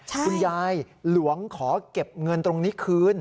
คุณยายหลวงขอเก็บเงินตรงนี้คืน